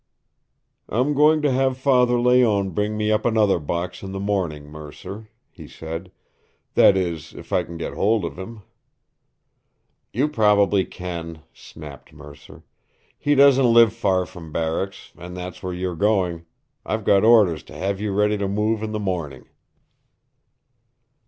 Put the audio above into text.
"I'm going to have Father Layonne bring me up another box in the morning, Mercer," he said. "That is, if I can get hold of him." "You probably can," snapped Mercer. "He doesn't live far from barracks, and that's where you are going. I've got orders to have you ready to move in the morning."